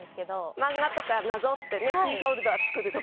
漫画とかなぞってキーホルダー作るとか。